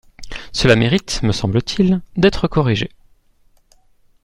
Cela mérite, me semble-t-il, d’être corrigé.